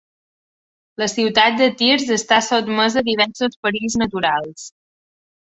La ciutat de Thiers està sotmesa a diversos perills naturals.